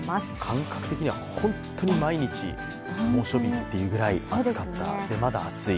感覚的には本当に毎日猛暑日ってぐらい暑かった、で、まだ暑い。